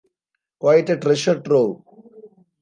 Quite a treasure-trove.